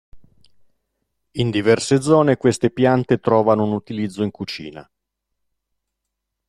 In diverse zone queste piante trovano un utilizzo in cucina.